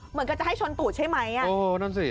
เหมือนกับจะให้ชนตูดใช่ไหมอ่ะเออนั่นสิ